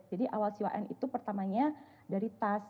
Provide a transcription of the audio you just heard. jadi awal siwa n itu pertamanya dari tas